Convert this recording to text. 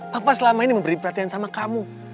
papa selama ini memberi perhatian sama kamu